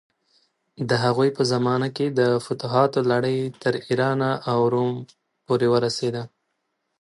د هغوی په زمانه کې د فتوحاتو لړۍ تر ایران او روم پورې ورسېده.